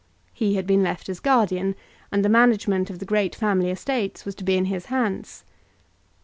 He had been left as guardian, and the management of the great family estates was to be in his hands.